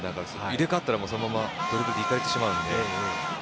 入れ替わったらそのまま行かれてしまうので。